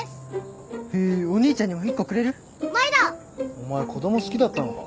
お前子供好きだったのか。